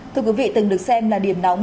thưa quý vị từng được xem là điểm nóng